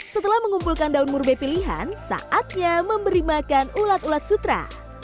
setelah mengumpulkan daun murbe pilihan saatnya memberi makan ulat ulat sutra